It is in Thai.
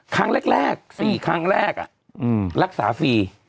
ครั้งแรก๔ครั้งแรกรักษาฟรี